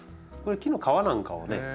木の皮なんかをね